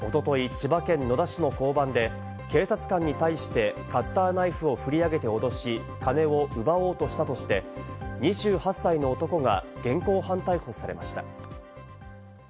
千葉県野田市の交番で警察官に対して、カッターナイフをふり上げて脅し、金を奪おうとしたとして２８歳の男が現行犯逮捕されました。